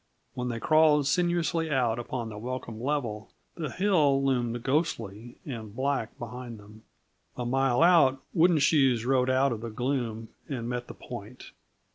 When they crawled sinuously out upon the welcome level, the hill loomed ghostly and black behind them. A mile out, Wooden Shoes rode out of the gloom and met the point.